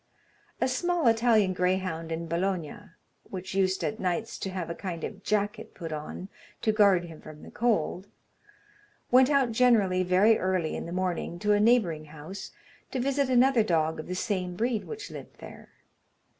A small Italian greyhound in Bologna, which used at nights to have a kind of jacket put on, to guard him from the cold, went out generally very early in the morning to a neighbouring house, to visit another dog of the same breed which lived there.